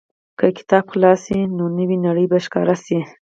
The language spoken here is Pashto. که کتاب خلاص شي، نو نوې نړۍ به ښکاره شي.